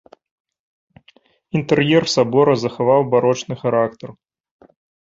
Інтэр'ер сабора захаваў барочны характар.